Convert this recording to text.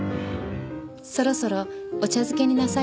そろそろお茶漬けになさいます？